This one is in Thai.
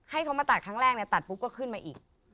ให้เขามาตัดครั้งแรกตัดปุ๊บก็ขึ้นมาอีก